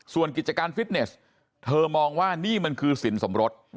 ส่วนกิจการฟิตเนสเธอมองว่านี่มันคือสินสมรส